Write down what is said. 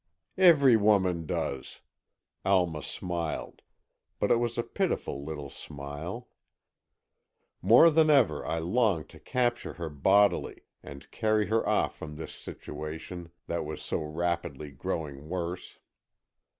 "Every woman does," Alma smiled, but it was a pitiful little smile. More than ever I longed to capture her bodily and carry her off from this situation that was so rapidly growing worse.